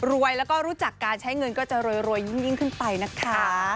แล้วก็รู้จักการใช้เงินก็จะรวยยิ่งขึ้นไปนะคะ